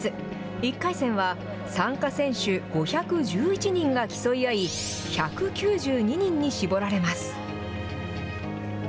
１回戦は、参加選手５１１人が競い合い、１９２人に絞られます。